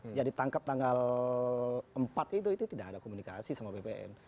sejak ditangkap tanggal empat itu itu tidak ada komunikasi sama bpn